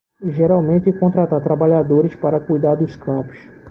Geralmente contratar trabalhadores para cuidar dos campos